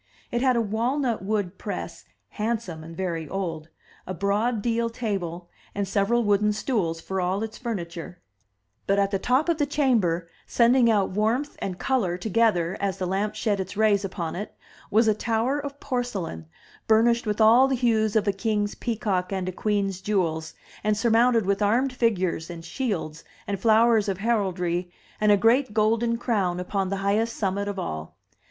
It had a walnut wood press, handsome and very old, a broad deal table, and several wooden stools for all its furniture; but at the top of the 285 MY BOOK HOUSE chamber, sending out warmth and color together as the lamp shed its rays upon it, was a tower of porcelain, burnished with all the hues of a king's peacock and a queen's jewels, and sur mounted with armed figures, and shields, and flowers of heraldry, and a great golden crown upon the highest summit of all.